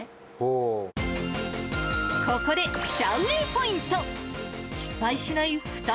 ここでシャウ・ウェイポイント。